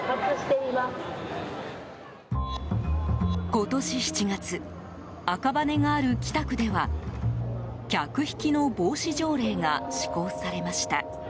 今年７月、赤羽がある北区では客引きの防止条例が施行されました。